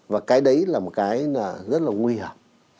và cái đấy là một cái rất là nguy hiểm